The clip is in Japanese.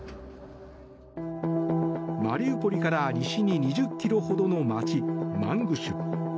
マリウポリから西に２０ｋｍほどの街マングシュ。